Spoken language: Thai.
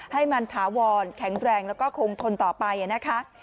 ให้มันถาวรแข็งแรงแล้วก็คงทนต่อไปนะคะ